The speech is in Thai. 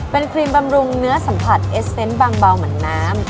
เป็นครีมบำรุงเนื้อสัมผัสเอสเตนต์บางเบาเหมือนน้ำ